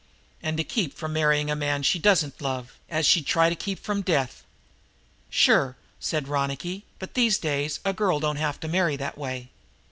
"And to keep from marrying a man she doesn't love, as she'd try to keep from death?" "Sure," said Ronicky. "But these days a girl don't have to marry that way."